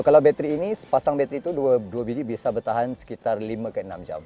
kalau baterai ini sepasang baterai itu dua biji bisa bertahan sekitar lima ke enam jam